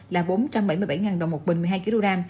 là bốn trăm bảy mươi bảy đồng một bình một mươi hai kg